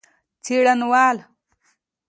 څېړنوال